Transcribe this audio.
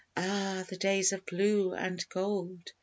Ah! the days of blue and gold!